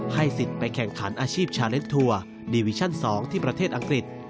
สิทธิ์ไปแข่งขันอาชีพชาเลสทัวร์ดีวิชั่น๒ที่ประเทศอังกฤษ